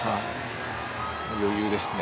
余裕ですね。